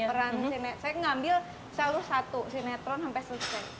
dan peran itu peran sinetron saya ngambil selalu satu sinetron sampai selesai